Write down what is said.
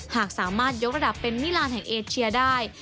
หากสามารถยกระดับเป็นมิลานแห่งเอเชียได้